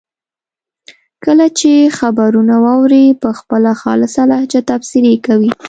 کله چې خبرونه واوري په خپله خالصه لهجه تبصرې کوي.